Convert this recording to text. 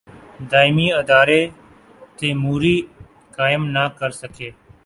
دائمی ادارے تیموری قائم نہ کر سکے۔